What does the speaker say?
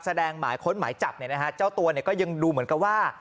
หมายค้นหมายจับเนี่ยนะฮะเจ้าตัวเนี่ยก็ยังดูเหมือนกับว่า